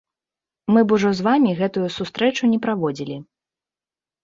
Мы б ужо з вамі гэтую сустрэчу не праводзілі.